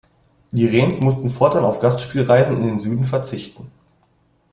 Die Rens mussten fortan auf Gastspielreisen in den Süden verzichten.